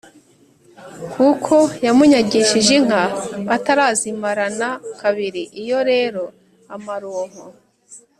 kuko yamunyagishije inka atarazimarana kabiri. Iyo rero amaronko